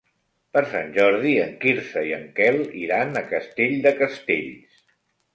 Per Sant Jordi en Quirze i en Quel iran a Castell de Castells.